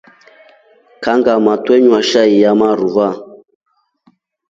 Kangʼamaa twenywa shai ya marua.